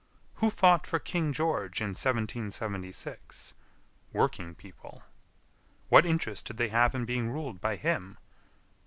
Who fought for King George in 1776? Working people. What interest did they have in being ruled by him?